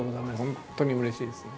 本当にうれしいですね。